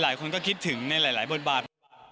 หลายคนก็คิดถึงในหลายบทบาท